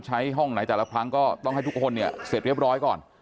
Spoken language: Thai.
ห้องไหนแต่ละครั้งก็ต้องให้ทุกคนเนี่ยเสร็จเรียบร้อยก่อน